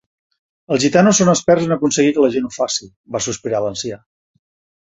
"Els gitanos són experts en aconseguir que la gent ho faci," va sospirar l'ancià.